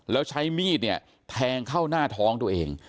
แล้วใช้มีดเนี่ยแทงเข้าหน้าท้องตัวเอง